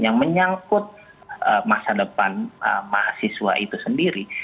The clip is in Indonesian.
yang menyangkut masa depan mahasiswa itu sendiri